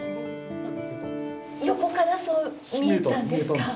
横から、そう見えたんですか？